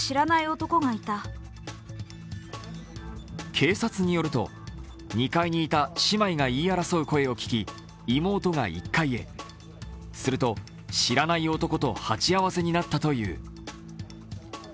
警察によると、２階にいた姉妹が言い争う声を聞き妹が１階へ、すると知らない男と鉢合わせになったという。